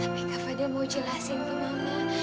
tapi kak fadil mau jelasin ke mama